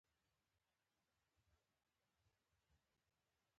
څوک چې د طالبانو طرفدارې کوي الله مو به شرمونو وشرموه😖